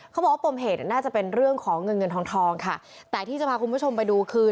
เขาบอกว่าปมเหตุน่าจะเป็นเรื่องของเงินเงินทองทองค่ะแต่ที่จะพาคุณผู้ชมไปดูคือ